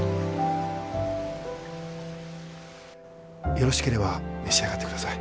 よろしければ召し上がってください。